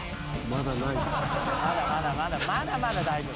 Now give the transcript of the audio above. まだまだまだまだ大丈夫。